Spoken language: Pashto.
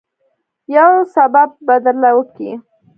يو سبب به درله وکي.